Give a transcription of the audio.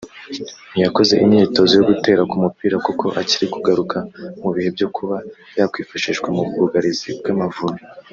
ntiyakoze imyitozo yo gutera ku mupira kuko akiri kugaruka mu bihe byo kuba yakwifashishwa mu bwugarizi bw’Amavubi